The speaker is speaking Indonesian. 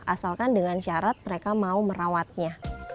asalkan dengan syarat mereka mau merawatnya